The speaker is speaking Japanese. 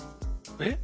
えっ？